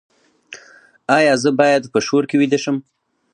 ایا زه باید په شور کې ویده شم؟